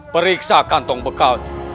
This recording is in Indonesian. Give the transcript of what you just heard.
periksa kantong bekal